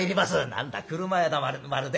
「何だ車屋だまるで」。